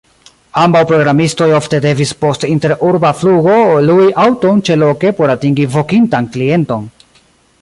Ambaŭ programistoj ofte devis post interurba flugo lui aŭton ĉeloke por atingi vokintan klienton.